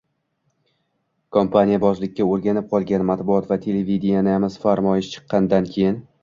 Kompaniyabozlikka o‘rganib qolgan matbuot va televideniyamiz farmoyish chiqqandan keyin